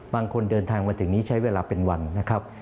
บางคนเดินทางมาถึงนี้ใช้เวลาเป็นวันนะครับ